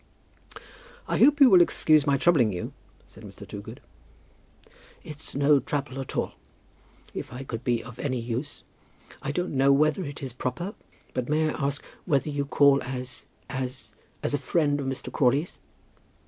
"I hope you will excuse my troubling you," said Mr. Toogood. "It is no trouble at all, if I could be of any use. I don't know whether it is proper, but may I ask whether you call as, as, as a friend of Mr. Crawley's?"